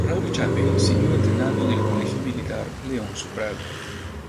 Raúl Chappell siguió entrenando en el colegio militar Leoncio Prado.